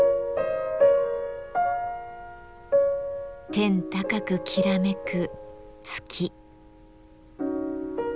天高くきらめく月。